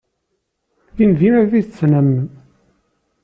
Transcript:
Dindin ad t-tennammem.